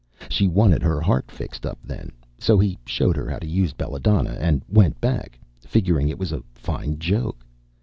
She wanted her heart fixed up then, so he showed her how to use belladonna and went back, figuring it was a fine joke.